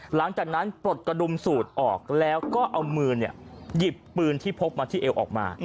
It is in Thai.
หลังจากนั้นปลดกระดุมสูตรออกแล้วก็เอามือหยิบปืนที่พกมาที่เอวออกมา